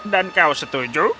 dan kau setuju